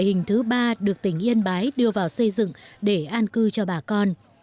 hình thứ ba được tỉnh yên bái đưa vào xây dựng để an cư cho bà con